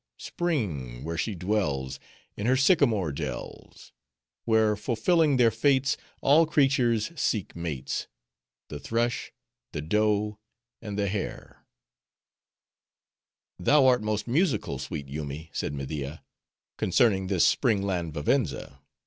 Spring! where she dwells, In her sycamore dells:— Where, fulfilling their fates, All creatures seek mates— The thrush, the doe, and the hare! "Thou art most musical, sweet Yoomy," said Media. "concerning this spring land Vivenza.